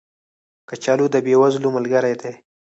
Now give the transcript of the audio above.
کچالو د بې وزلو ملګری دی